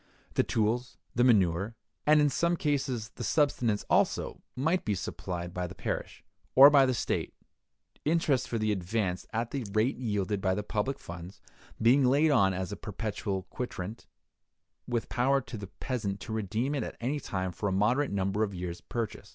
The tools, the manure, and in some cases the subsistence also, might be supplied by the parish, or by the state; interest for the advance, at the rate yielded by the public funds, being laid on as a perpetual quitrent, with power to the peasant to redeem it at any time for a moderate number of years' purchase.